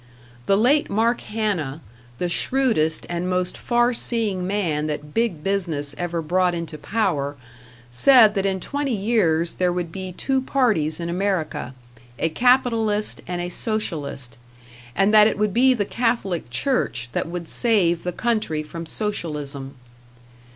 The late Mark Hanna, the shrewdest and most far seeing man that Big Business ever brought into power, said that in twenty years there would be two parties in America, a capitalist and a socialist; and that it would be the Catholic church that would save the country from Socialism.